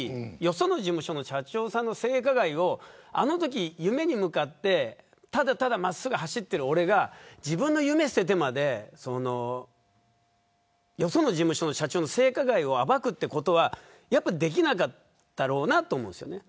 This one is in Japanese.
その事務所の社長さんの性加害をあのとき、夢に向かってただただまっすぐ走っている俺が自分の夢を捨ててまでよその事務所の社長の性加害を暴くということはやっぱりできなかったろうなと思うんですよね。